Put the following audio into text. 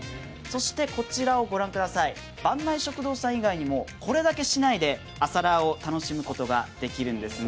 こちらを御覧ください、坂内食堂さん以外にもこれだけ市内で朝ラーを楽しむことができるんですね。